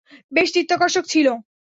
বেশ চিত্তাকর্ষক ছিল!